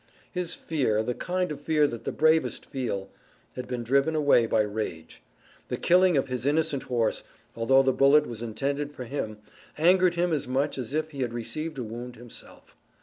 His fear, the kind of fear that the bravest feel, had been driven away by rage. The killing of his innocent horse, although the bullet was intended for him, angered him as much as if he had received a wound himself.